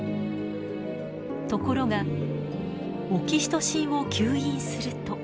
ところがオキシトシンを吸引すると。